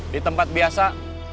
di tempat biasa